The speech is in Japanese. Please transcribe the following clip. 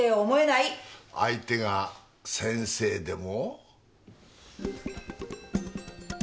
相手が先生でも？